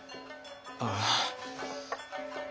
ああ。